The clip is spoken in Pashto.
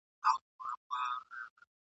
د ګودرونو د چینار سیوری مي زړه تخنوي ..